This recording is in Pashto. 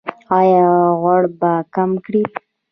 ایا غوړ به کم کړئ؟